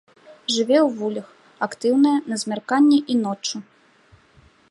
Жыве ў вуллях, актыўная на змярканні і ноччу.